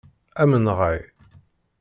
Amenɣay!